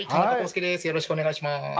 よろしくお願いします。